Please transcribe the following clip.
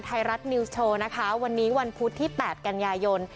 ไทยรัฐนิวส์โชว์นะคะวันนี้วันพุธที่๘กันยายน